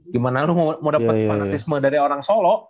gimana lu mau dapat fanatisme dari orang solo